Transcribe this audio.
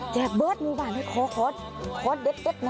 แจกเบิร์ดมุบันขอเด็ดนะ